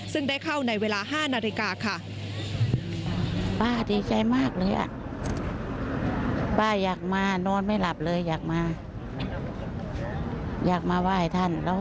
ซึ่งได้เข้าในเวลา๕นาฬิกาค่ะ